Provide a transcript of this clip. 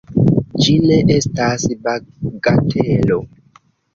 Ĝi ne estas bagatelo!